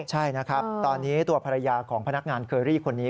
ใช่นะครับตอนนี้ตัวภรรยาของพนักงานเคอรี่คนนี้